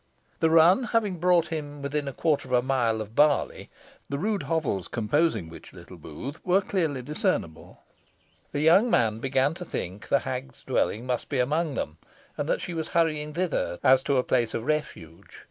The run having brought him within, a quarter of a mile of Barley, the rude hovels composing which little booth were clearly discernible, the young man began to think the hag's dwelling must he among them, and that she was hurrying thither as to a place of refuge.